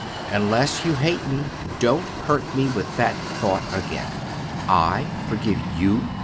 "Unless you hate me, don't hurt me with that thought again. I forgive you?